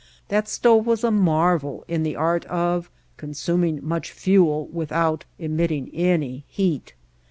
That stove was a marvel in the art of consuming much fuel without emitting any heat.